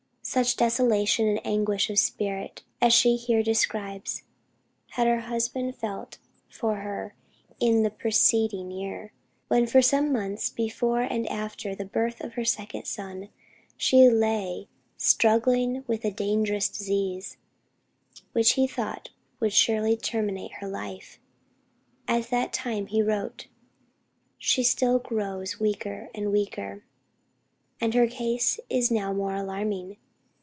Such "desolation and anguish of spirit" as she here describes, had her husband felt for her in the preceding year, when for some months before and after the birth of her second son she lay struggling with a dangerous disease, which he thought would surely terminate her life. At that time he wrote: "She still grows weaker, and her case is now more alarming.